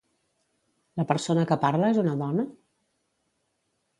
La persona que parla és una dona?